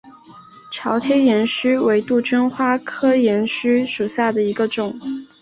朝天岩须为杜鹃花科岩须属下的一个种。